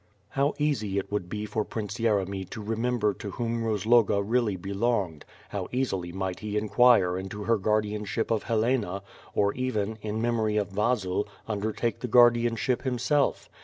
How easy it would be for Prince Yeremy to remember to whom Rozloga really belonged, how easily might he inquire into her guardianship of Helena, or even, in memory of Vasil, undertake the guardianship himself!